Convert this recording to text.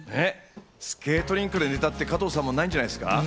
スケートリンクでネタって加藤さんもないんじゃないですか？